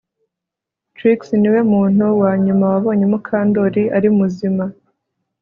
Trix niwe muntu wa nyuma wabonye Mukandoli ari muzima